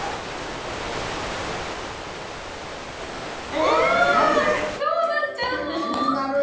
えー、どうなっちゃうの。